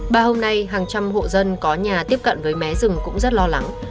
ba hôm nay hàng trăm hộ dân có nhà tiếp cận với mé rừng cũng rất lo lắng